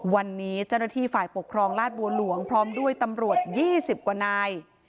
วันนี้เจ้าหน้าที่ฝ่ายปกครองราชบัวหลวงพร้อมด้วยตำรวจ๒๐กว่านาย